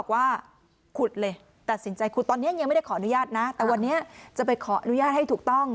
วันนี้ยังไม่ได้ขออนุญาตนะแต่วันนี้จะไปขออนุญาตให้ถูกต้อง